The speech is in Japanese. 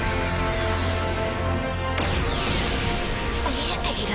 見えている？